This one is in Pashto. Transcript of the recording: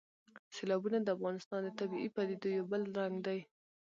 سیلابونه د افغانستان د طبیعي پدیدو یو بل رنګ دی.